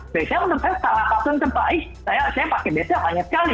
bca menurut saya salah saya pakai bca banyak sekali